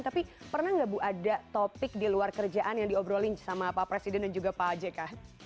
tapi pernah nggak bu ada topik di luar kerjaan yang diobrolin sama pak presiden dan juga pak jk